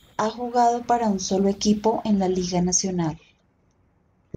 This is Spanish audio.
Ha jugado para un solo equipo en la Liga Nacional.